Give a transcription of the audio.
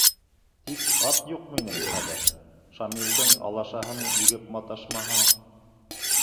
Тик ат юҡ минең хәҙер, Шамилдың алашаһын егеп маташмаһаң.